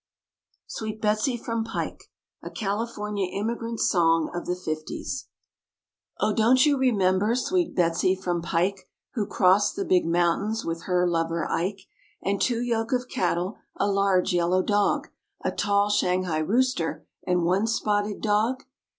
SWEET BETSY FROM PIKE "A California Immigrant Song of the Fifties" Oh, don't you remember sweet Betsy from Pike Who crossed the big mountains with her lover Ike, And two yoke of cattle, a large yellow dog, A tall, shanghai rooster, and one spotted hog?